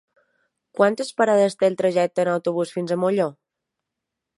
Quantes parades té el trajecte en autobús fins a Molló?